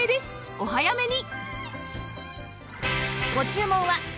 お早めに！